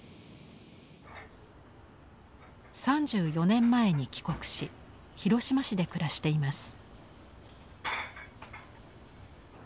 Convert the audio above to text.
３４年前に帰国し広島市で暮らしています。